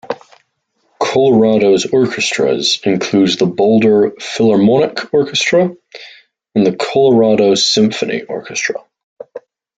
Colorado's orchestras include the Boulder Philharmonic Orchestra and the Colorado Symphony Orchestra.